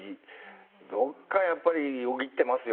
どっかやっぱりよぎってますよ